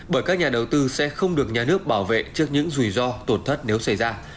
bởi các nhà đầu tư sẽ không được nhà nước bảo vệ trước những rủi ro tổn thất nếu xảy ra